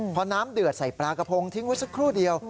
พอน้ำเดือดใส่ปลากระพงทิ้งไว้สักครู่เดียว